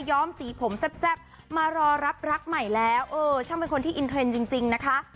้อมสีผมแซ่บมารอรับรักใหม่แล้วเออช่างเป็นคนที่อินเทรนด์จริงนะคะ